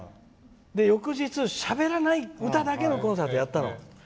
翌日、しゃべらない、歌だけのコンサートをやったの。